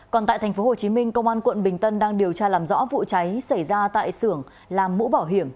còn tại tp hcm công an quận bình tân đang điều tra làm rõ vụ cháy xảy ra tại sưởng làm mũ bảo hiểm